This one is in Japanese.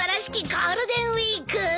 ゴールデンウィーク。